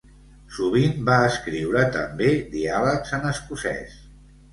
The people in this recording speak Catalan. Sovint va escriure també diàlegs en escocès.